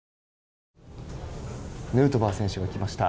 ヌートバー選手が来ました。